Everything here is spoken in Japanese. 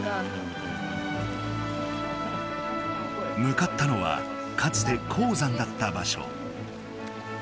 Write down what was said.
むかったのはかつて鉱山だった場所。